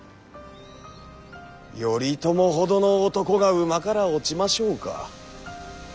頼朝ほどの男が馬から落ちましょうか。